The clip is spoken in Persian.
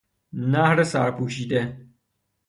نهر سر پوشیده